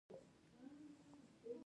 فنګسونه کلوروفیل نه لري.